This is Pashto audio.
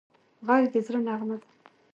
غږ د زړه نغمه ده